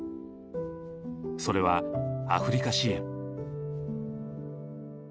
それはアフリカ支援。